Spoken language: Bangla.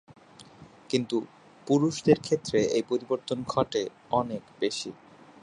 কিন্তু পুরুষদের ক্ষেত্রে এই পরিবর্তন ঘটে অনেক বেশি।